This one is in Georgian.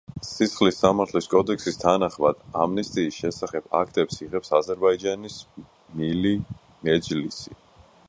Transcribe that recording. სისხლის სამართლის კოდექსის თანახმად, ამნისტიის შესახებ აქტებს იღებს აზერბაიჯანის მილი მეჯლისი.